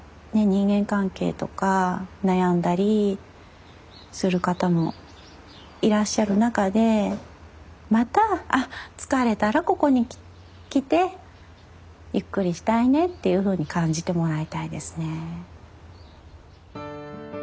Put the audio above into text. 人間関係とか悩んだりする方もいらっしゃる中でまた「あ疲れたらここに来てゆっくりしたいね」っていうふうに感じてもらいたいですね。